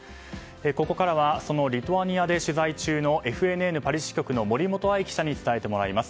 ここからはそのリトアニアで取材中のＦＮＮパリ支局の森元愛記者に伝えてもらいます。